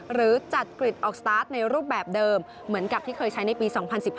หรือจัดกริดออกสตาร์ทในรูปแบบเดิมเหมือนกับที่เคยใช้ในปี๒๐๑๕